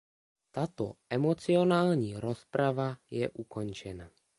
Tato emocionální rozprava je ukončena.